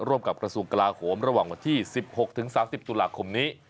กับกระทรวงกลาโหมระหว่างวันที่๑๖๓๐ตุลาคมนี้